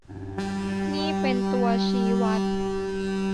นี่เป็นตัวชี้วัด